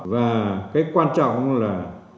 và cái quan trọng là